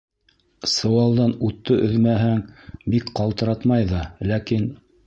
Сыуалдан утты өҙмәһәң бик ҡалтыратмай ҙа, ләкин...